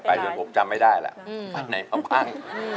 ไปเดี๋ยวผมจำไม่ได้แล้วไปไหนบ้าง